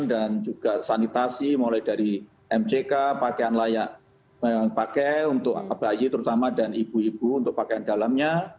dan juga sanitasi mulai dari mck pakaian layak pakai untuk bayi terutama dan ibu ibu untuk pakaian dalamnya